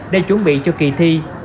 để chuẩn bị cho kỳ thi